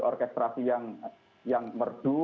orkestrasi yang merdu